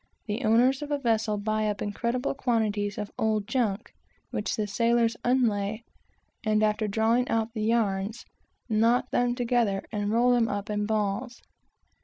The owners of a vessel buy up incredible quantities of "old junk," which the sailors unlay, after drawing out the yarns, knot them together, and roll them up in balls.